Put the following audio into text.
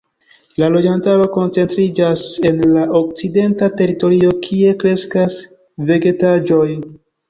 La loĝantaro koncentriĝas en la okcidenta teritorio kie kreskas vegetaĵoj.